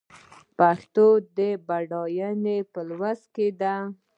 د پښتو بډاینه په لوست کې ده.